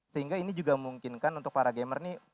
sehingga ini juga memungkinkan untuk para gamer ini